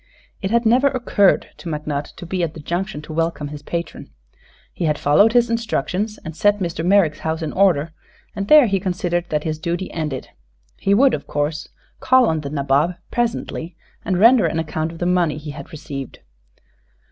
It had never occurred to McNutt to be at the Junction to welcome his patron. He had followed his instructions and set Mr. Merrick's house in order, and there he considered that his duty ended. He would, of course, call on the nabob, presently, and render an account of the money he had received.